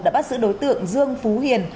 đã bắt giữ đối tượng dương phú hiền